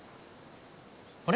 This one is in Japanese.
あれ？